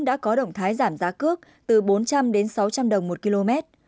đã có động thái giảm giá cước từ bốn trăm linh đến sáu trăm linh đồng một km